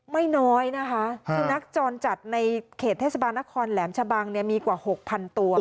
ไม่น้อยนะคะนักจรจัดในเขตเทศบานครแหลมชะบังมีกว่าหกพันตัว